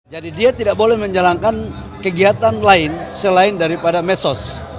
jadi dia tidak boleh menjalankan kegiatan lain selain daripada mesos